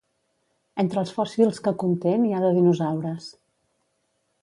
Entre els fòssils que conté n'hi ha de dinosaures.